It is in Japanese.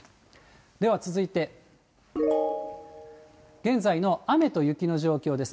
では続いて、現在の雨と雪の状況です。